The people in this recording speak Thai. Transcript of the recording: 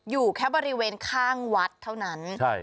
อยู่แค่บริเวณข้างวัดเท่านั้น